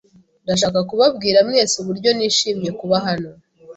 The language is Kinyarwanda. Ndashaka kubabwira mwese uburyo nishimiye kuba hano.